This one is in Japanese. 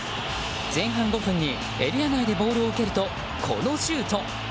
前半５分にエリア内でボールを受けるとこのシュート。